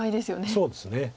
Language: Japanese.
そうですね。